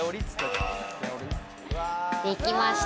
できました。